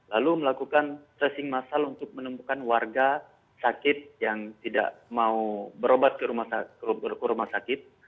lalu melakukan tracing massal untuk menemukan warga sakit yang tidak mau berobat ke rumah sakit